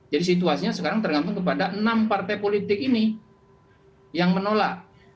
jadi situasinya sekarang tergantung kepada enam partai politik ini yang menolak